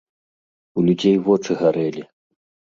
У людзей вочы гарэлі.